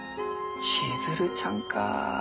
千鶴ちゃんか。